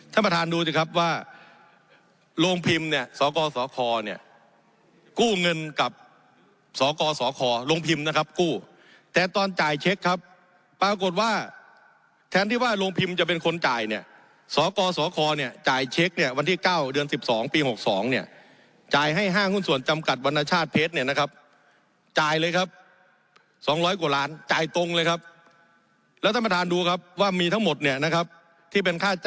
ท่านประธานดูสิครับว่าโรงพิมพ์เนี่ยสกสคเนี่ยกู้เงินกับสกสคโรงพิมพ์นะครับกู้แต่ตอนจ่ายเช็คครับปรากฏว่าแทนที่ว่าโรงพิมพ์จะเป็นคนจ่ายเนี่ยสกสคเนี่ยจ่ายเช็คเนี่ยวันที่๙เดือน๑๒ปี๖๒เนี่ยจ่ายให้๕หุ้นส่วนจำกัดวรรณชาติเพชรเนี่ยนะครับจ่ายเลยครับ๒๐๐กว่าล้านจ